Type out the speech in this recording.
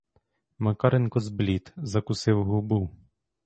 Макаренко зблід, закусив губу.